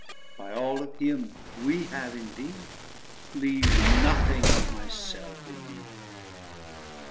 By all of Him we have in Thee; Leave nothing of my Self in me.